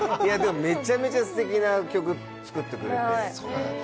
めちゃめちゃステキな曲を作ってくれて。